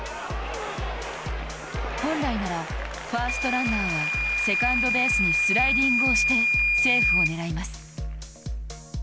本来ならファーストランナーはセカンドベースにスライディングをして、セーフを狙います。